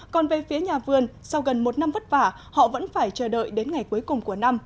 còn về phía nhà vườn sau gần một năm vất vả họ vẫn phải chờ đợi đến ngày cuối cùng của năm